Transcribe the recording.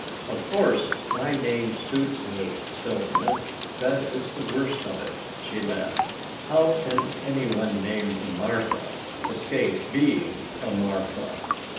"Of course my name suits me, Sylvia, that is the worst of it," she laughed. "How can any one named Martha escape being a Martha?